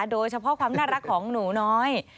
โดยเฉพาะความน่ารักของหนูน้อย